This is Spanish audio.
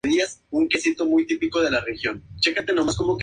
Fue primer teniente de alcalde de Barcelona.